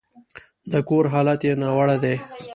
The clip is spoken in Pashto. د کور حالت يې ناوړه دی.